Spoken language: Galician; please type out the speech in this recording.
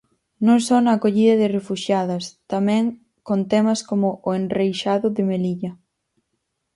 Non só na acollida de refuxiadas, tamén con temas como o enreixado de Melilla.